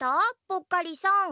ぽっかりさん。